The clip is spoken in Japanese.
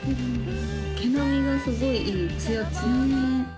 毛並みがすごいいいつやつや